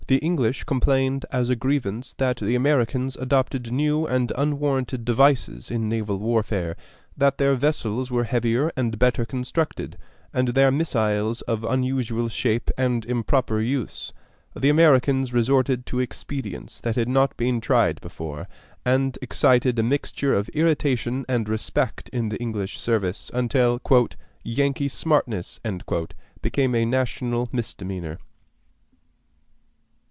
The English complained as a grievance that the Americans adopted new and unwarranted devices in naval warfare; that their vessels were heavier and better constructed, and their missiles of unusual shape and improper use. The Americans resorted to expedients that had not been tried before, and excited a mixture of irritation and respect in the English service, until "Yankee smartness" became a national misdemeanor.